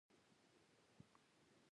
کانلونه او نهرونه باید اساسي ورغول شي.